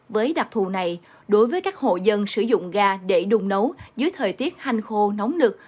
với đặc thù này đối với các hộ dân sử dụng ga để đung nấu dưới thời tiết hành khô nóng nực